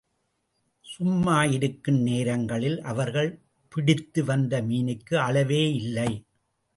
சும்மாயிருக்கும் நேரங்களில் அவர்கள் பிடித்து வந்த மீனுக்கு அளவேயில்லை.